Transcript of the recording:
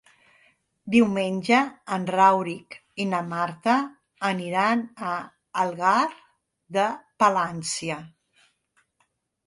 Diumenge en Rauric i na Marta aniran a Algar de Palància.